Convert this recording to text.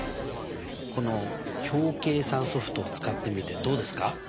この表計算ソフトを使ってみてどうですか？